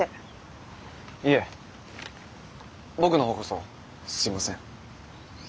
いえ僕の方こそすいません。